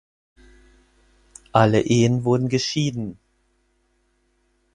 Alle Ehen wurden geschieden.